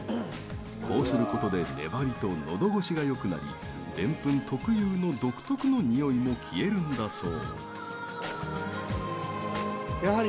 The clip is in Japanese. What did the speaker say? こうすることで粘りとのど越しが良くなりデンプン特有の独特の匂いも消えるんだそう。